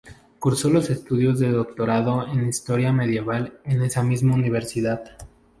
Cursó los estudios de doctorado en Historia Medieval en esa misma Universidad.